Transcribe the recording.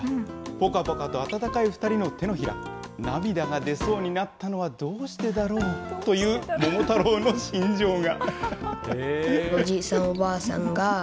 ぽかぽかと温かい２人の手のひら、涙が出そうになったのは、どうしてだろうという桃太郎の心情が。